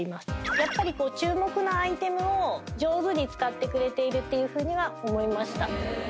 やっぱりこう注目のアイテムを上手に使ってくれているっていうふうには思いました